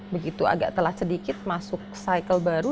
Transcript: begitu agak telat sedikit masuk cycle baru